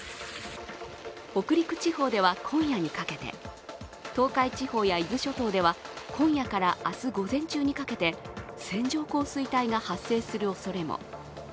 北陸地方では今夜にかけて東海地方や伊豆諸島では今夜から明日午前中にかけて線状降水帯が発生するおそれも。